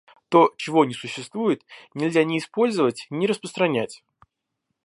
То, чего не существует, нельзя ни использовать, ни распространять.